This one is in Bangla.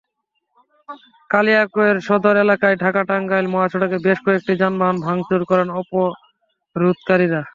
কালিয়াকৈর সদর এলাকায় ঢাকা-টাঙ্গাইল মহাসড়কে বেশ কয়েকটি যানবাহন ভাঙচুর করেন অবরোধকারীরা।